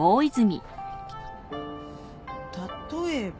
例えば。